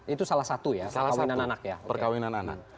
itu salah satu ya perkawinan anak